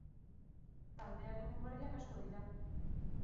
Taldearen mugarriak asko dira.